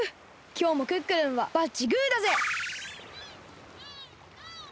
きょうもクックルンはバッチグーだぜ！